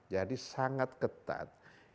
jadi sangat ketat